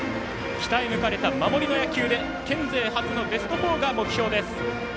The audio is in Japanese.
鍛え抜かれた守りの野球で県勢初のベスト４が目標です。